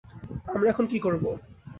আমরা এখন কি করব?